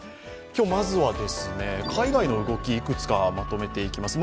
今日、まずは海外の動きいくつかまとめていきます。